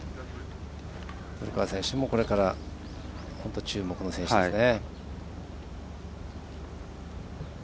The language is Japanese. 古川選手もこれから注目の選手ですね。